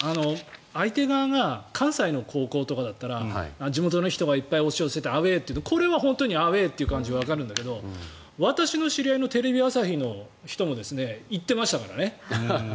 相手側が関西の高校とかだったら地元の人がいっぱい押し寄せてアウェーというこれは本当にアウェーという感じがわかるんだけど私の知り合いのテレビ朝日の人も行ってましたからね。